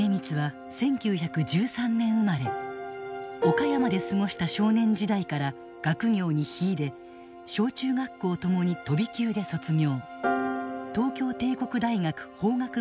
岡山で過ごした少年時代から学業に秀で小中学校ともに飛び級で卒業。